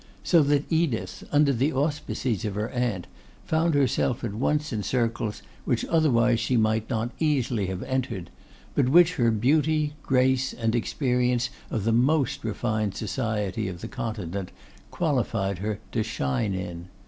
So that Edith, under the auspices of her aunt, found herself at once in circles which otherwise she might not easily have entered, but which her beauty, grace, and experience of the most refined society of the Continent, qualified her to shine in.